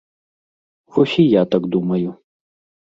Вось і я так думаю.